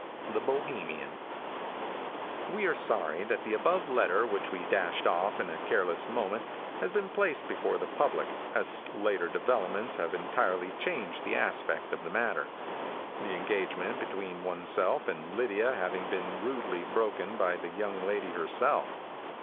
The Bohemian. We are sorry that the above letter, which we dashed off in a careless moment, has been placed before the public, as later developments have entirely changed the aspect of the matter; the engagement between ourself and Lydia having been rudely broken by the young lady herself.